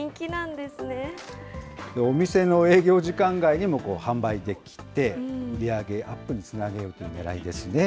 お店の営業時間外にも販売できて、売り上げアップにつなげようというねらいですね。